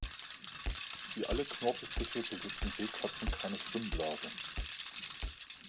Wie alle Knorpelfische besitzen Seekatzen keine Schwimmblase.